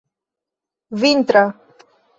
vintra